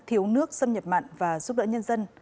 thiếu nước xâm nhập mặn và giúp đỡ nhân dân